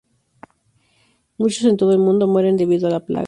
Muchos en todo el mundo mueren debido a la plaga.